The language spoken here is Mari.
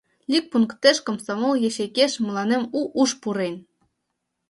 Ликпунктеш, комсомол ячейкеш мыланем у уш пурен.